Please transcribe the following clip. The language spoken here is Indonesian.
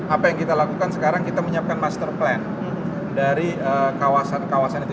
apa yang kita lakukan sekarang kita menyiapkan master plan dari kawasan kawasan itu